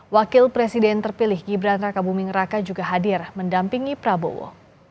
wakil presiden terpilih gibran raka buming raka juga hadir mendampingi prabowo